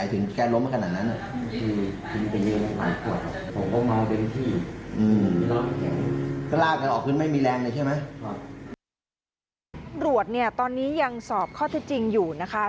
ตำรวจเนี่ยตอนนี้ยังสอบข้อเท็จจริงอยู่นะคะ